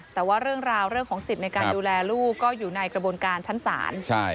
แต่ว่าเรื่องราวเรื่องของสิทธิ์ในการดูแลลูกก็อยู่ในกระบวนการชั้นศาล